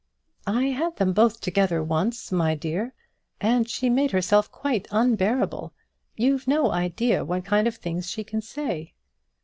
"I had them both together once, my dear, and she made herself quite unbearable. You've no idea what kind of things she can say."